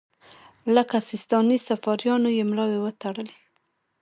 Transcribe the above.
لکه سیستاني صفاریانو یې ملاوې وتړلې.